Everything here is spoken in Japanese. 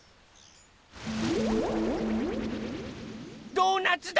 ドーナツだ！